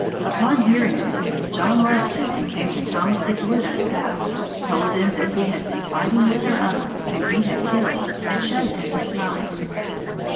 Upon hearing this, John left him and came to Thomas' widow's house, told them that he had been fighting with their uncle, whom he had killed, and showed them his knife.